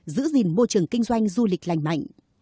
giữ gìn môi trường kinh doanh du lịch lành mạnh